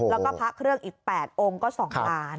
แล้วก็พระเครื่องอีก๘องค์ก็๒ล้าน